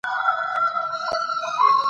بیا هڅه وکړئ.